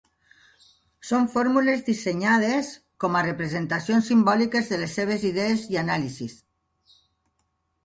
Són fórmules, dissenyades com a representacions simbòliques de les seves idees i anàlisis.